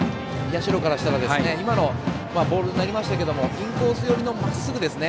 社からしたら今のボールになりましたけどインコース寄りのまっすぐですね。